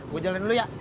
gua jalan dulu ya